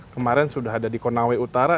kemarin sudah ada di konawe utara